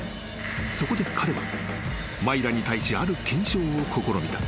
［そこで彼はマイラに対しある検証を試みた］